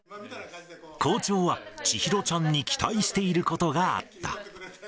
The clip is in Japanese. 校長は、千尋ちゃんに期待していることがあった。